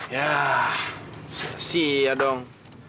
yah siap dong